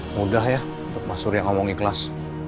mudah ya untuk mas urya ngomong ikhlas